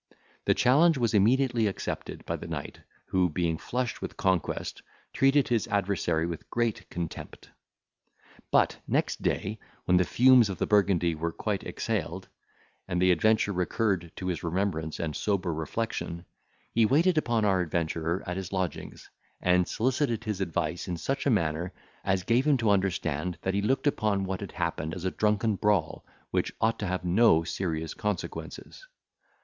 The challenge was immediately accepted by the knight, who, being flushed with conquest, treated his adversary with great contempt. But, next day, when the fumes of the burgundy were quite exhaled, and the adventure recurred to his remembrance and sober reflection, he waited upon our adventurer at his lodgings, and solicited his advice in such a manner, as gave him to understand that he looked upon what had happened as a drunken brawl, which ought to have no serious consequences.